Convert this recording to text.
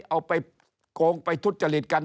เอาไปโกงไปทุจริตกัน